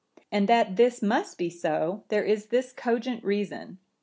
And that this must be so, there is this cogent reason.